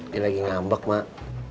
dia lagi ngambek mak